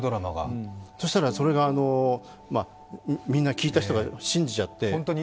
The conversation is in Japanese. そしたら、それがみんな聞いた人が信じちゃって。